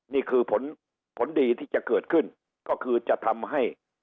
นี่คือผลผลดีที่จะเกิดขึ้นก็คือจะทำให้